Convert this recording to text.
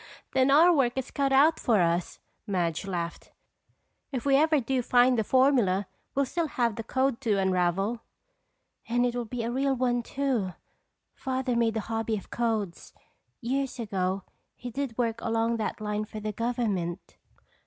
"Then our work is cut out for us," Madge laughed. "If we ever do find the formula we'll still have the code to unravel." "And it will be a real one too! Father made a hobby of codes. Years ago he did work along that line for the government."